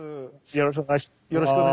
よろしくお願いします。